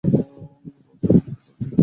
বাবা সকাল বিকেল দুই বেলায় চা পান করি।